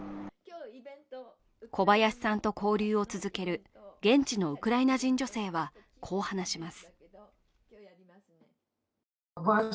小林さんと交流を続ける現地のウクライナ人女性は、こう話します。